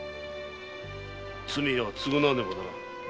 罪は償わねばならぬ。